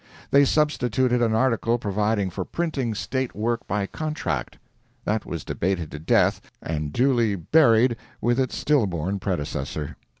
They substituted an article providing for printing State work by contract. That was debated to death, and duly buried with its still born predecessor.